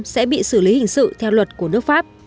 sẽ bị xử lý hình sự theo luật của nước pháp